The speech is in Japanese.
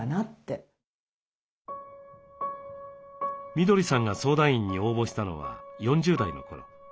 みどりさんが相談員に応募したのは４０代の頃。